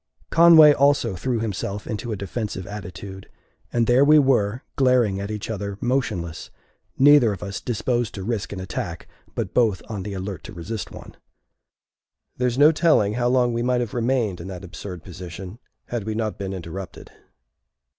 Conway also threw himself into a defensive attitude, and there we were, glaring at each other motionless, neither of us disposed to risk an attack, but both on the alert to resist one. There is no telling how long we might have remained in that absurd position, had we not been interrupted.